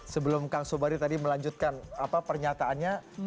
sebelum kang sobari tadi melanjutkan pernyataannya